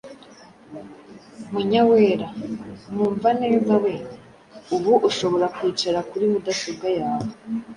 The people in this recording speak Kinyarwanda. Munyawera:Mwumvaneza we, ubu ushobora kwicara kuri mudasobwa yawe